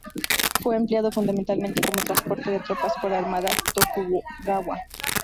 Fue empleado fundamentalmente como transporte de tropas por la armada Tokugawa.